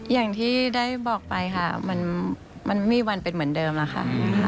อย่างที่ได้บอกไปค่ะมันไม่มีวันเป็นเหมือนเดิมอะค่ะ